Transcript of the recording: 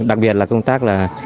đặc biệt là công tác